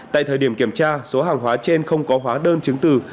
tại thời điểm kiểm tra số hàng hóa trên không có hóa đơn chứng từ